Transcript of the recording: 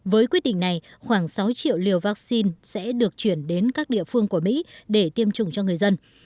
với quyết định này khoảng sáu triệu liều vaccine sẽ được chuyển đến các địa phương của mỹ để tiêm chủng cho người dân